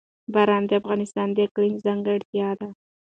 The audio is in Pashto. باران د افغانستان د اقلیم ځانګړتیا ده.